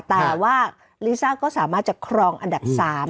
แต่ว่าลิซ่าก็สามารถจะครองอันดับ๓